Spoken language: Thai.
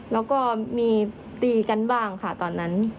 แล้วก็มีตีกันบ้างค่ะตอนนั้น